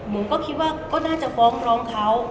ผมก็คิดว่าก็น่าจะฟ้องร้องเขา